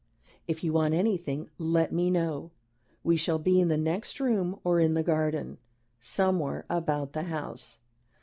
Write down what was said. If you want anything let me know. We shall be in the next room or in the garden somewhere about the house.